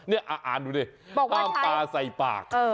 นี่อ่านดูดิว่างปลาใส่ปาก